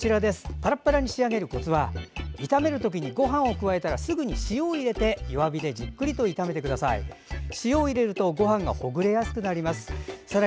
パラパラに仕上げるコツは炒める時にごはんを加えたらすぐに塩を入れて弱火でじっくりと炒めてください。